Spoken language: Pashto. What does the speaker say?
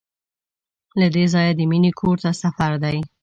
له دې ځایه د مینې کور ته سفر دی.